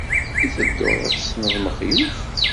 I tedduḍ ad d-tessneḍ Mexluf?